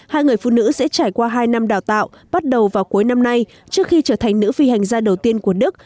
hai người phụ nữ sẽ trải qua hai năm đào tạo bắt đầu vào cuối năm nay trước khi trở thành nữ phi hành gia đầu tiên của đức